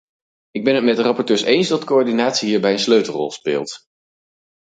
Ik ben het met de rapporteurs eens dat coördinatie hierbij een sleutelrol speelt.